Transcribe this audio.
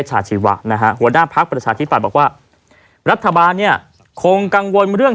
ชาชีวะนะฮะหัวหน้าพักประชาธิปัตย์บอกว่ารัฐบาลเนี่ยคงกังวลเรื่อง